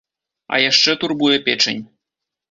А яшчэ турбуе печань.